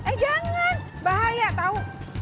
eh jangan bahaya tau